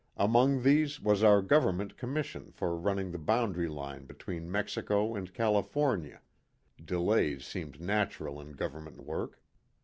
Among these was our Government Commission for running the boundary line between Mexico and California (delays seemed natural in gov ernment work).